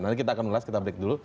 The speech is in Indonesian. nanti kita akan ulas kita break dulu